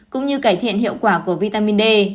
cũng như cải thiện hiệu quả của vitamin d